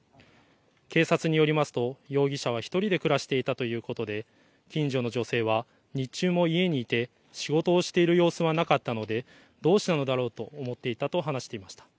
警察によりますと容疑者は１人で暮らしていたということで近所の女性は日中も家にいて仕事をしている様子はなかったのでどうしたのだろうと思っていたと話していました。